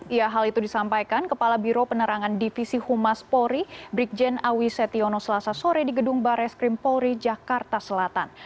ya hal itu disampaikan kepala biro penerangan divisi humas polri brigjen awi setiono selasa sore di gedung bares krim polri jakarta selatan